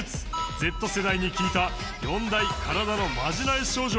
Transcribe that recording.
Ｚ世代に聞いた４大体のマジなえ症状。